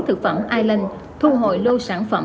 thực phẩm ireland thu hồi lô sản phẩm